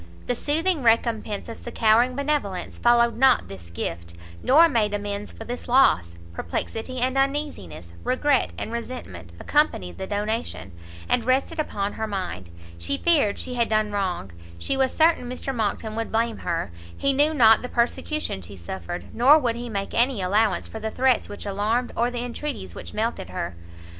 The soothing recompense of succouring benevolence, followed not this gift, nor made amends for this loss; perplexity and uneasiness, regret and resentment, accompanied the donation, and rested upon her mind; she feared she had done wrong; she was certain Mr Monckton would blame her; he knew not the persecution she suffered, nor would he make any allowance for the threats which alarmed, or the intreaties which melted her.